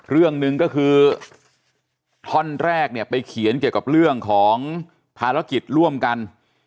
เรื่องหนึ่งก็คือท่อนแรกเนี่ยไปเขียนเกี่ยวกับเรื่องของภารกิจร่วมกัน